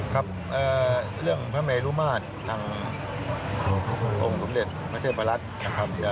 ครับเรื่องพระเมรุมาตรทางองค์สมเด็จพระเทพรัฐนะครับ